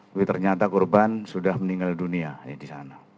tapi ternyata korban sudah meninggal dunia di sana